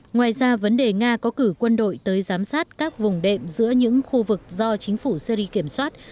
ngoài ra vấn đề nga có cử quân đội tới giám sát các vùng đệm giữa những khu vực do chính phủ syri kiểm soát